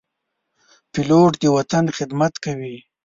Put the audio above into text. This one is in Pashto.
پیلوټ د وطن خدمت کوي.